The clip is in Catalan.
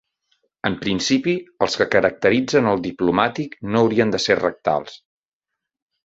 En principi, els que caracteritzen el diplomàtic no haurien de ser rectals.